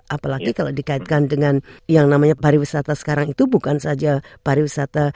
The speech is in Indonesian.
apalagi kalau dikaitkan dengan yang namanya pariwisata sekarang itu bukan saja pariwisata